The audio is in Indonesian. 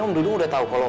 om dudung udah tahu kalau